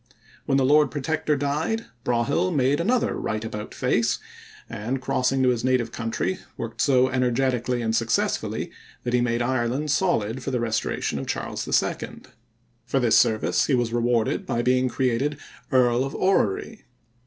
When the Lord Protector died, Broghill made another right about face, and crossing to his native country worked so energetically and successfully that he made Ireland solid for the restoration of Charles II. For this service he was rewarded by being created Earl of Orrery.